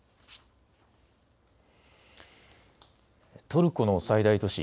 トルコの最大都市